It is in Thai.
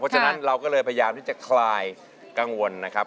เพราะฉะนั้นเราก็เลยพยายามที่จะคลายกังวลนะครับ